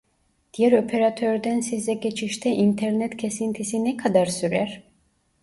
Diğer operatörden size geçişte internet kesintisi ne kadar sürer